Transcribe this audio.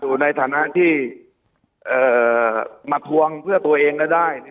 อยู่ในฐานะที่มาทวงเพื่อตัวเองก็ได้